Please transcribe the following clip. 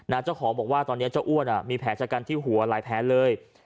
นะเจ้าของบอกว่าตอนเนี้ยเจ้าอ้วนอ่ะมีแผลจากกันที่หัวไหลแพ้เลย